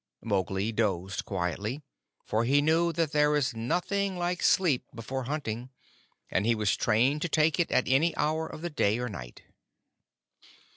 Mowgli dozed quietly, for he knew that there is nothing like sleep before hunting, and he was trained to take it at any hour of the day or night.